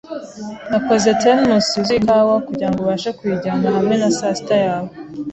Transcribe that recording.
Nakoze thermos yuzuye ikawa kugirango ubashe kuyijyana hamwe na sasita yawe